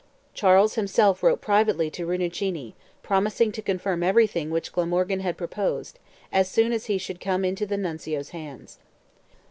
Charles himself wrote privately to Rinuccini, promising to confirm everything which Glamorgan had proposed, as soon as he should come into "the Nuncio's hands."